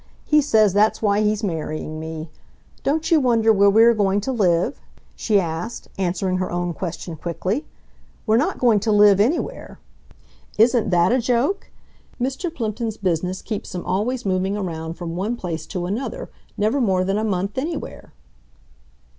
He says that's why he's marrying me. Don't you wonder where we are going to live?" she asked, answering her own question quickly. "We're not going to live anywhere. Isn't that a joke? Mr. Plimpton's business keeps him always moving around from one place to another, never more than a month anywhere."